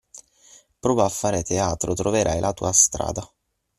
Prova a fare teatro troverai la tua strada!